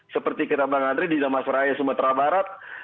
seperti kita bang andre di damas raya sumatera barat